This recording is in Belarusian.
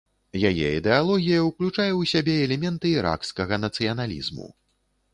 Яе ідэалогія ўключае ў сябе элементы іракскага нацыяналізму.